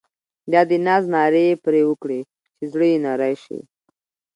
دا د ناز نارې یې پر وکړې چې زړه یې نری شي.